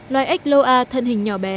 loài ếch loa thân hình nhỏ bé